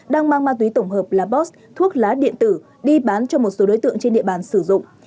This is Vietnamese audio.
đang mang ma túy tổng hợp là bot thuốc lá điện tử đi bán cho một số đối tượng trên địa bàn sử dụng